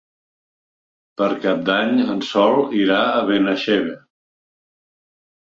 Per Cap d'Any en Sol irà a Benaixeve.